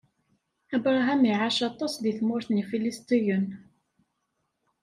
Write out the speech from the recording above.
Abṛaham iɛac aṭas di tmurt n Ifilistiyen.